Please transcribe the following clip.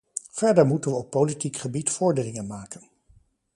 Verder moeten we op politiek gebied vorderingen maken.